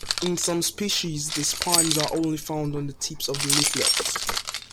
In some species the spines are only found on the tips of the leaflets.